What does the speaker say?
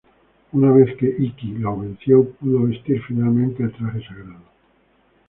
Una vez que Ikki lo venció, pudo vestir finalmente el traje sagrado.